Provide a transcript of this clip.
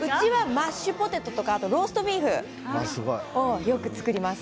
マッシュポテトとかローストビーフをよく作ります。